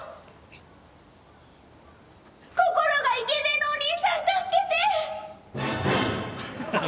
・心がイケメンのお兄さん助けて！